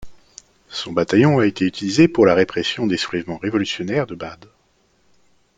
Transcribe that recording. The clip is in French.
Son bataillon a été utilisé pour la répression des soulèvements révolutionnaires de Bade.